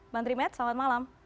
bang trimet selamat malam